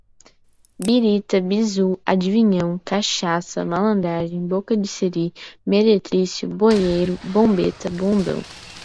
birita, bizú, adivinhão, cachaça, malandragem, boca de sirí, meretrício, boieiro, bombeta, bondão